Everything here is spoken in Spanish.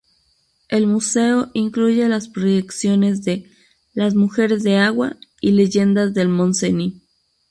El museo incluye las proyecciones de "Las mujeres de agua" y "Leyendas del Montseny".